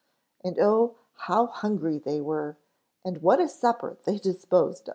And oh, how hungry they were, and what a supper they disposed of.